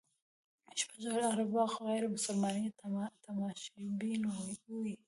شپږ اربه غیر مسلمان یې تماشبین دي.